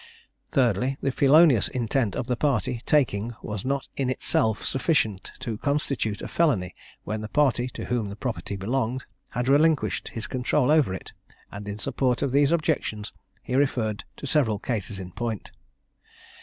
Thirdly, the felonious intent of the party taking was not in itself sufficient to constitute a felony when the party to whom the property belonged had relinquished his control over it; and in support of these objections, he referred to several cases in point.